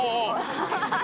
「アハハハ。